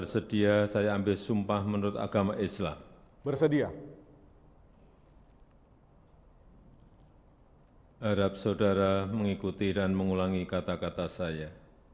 raya kebangsaan indonesia raya